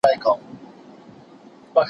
د پلار سخاوت د سمندر په څېر پراخ او بې پایه دی.